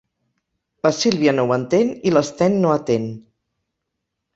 La Sílvia no ho entén i l'Sten no atén.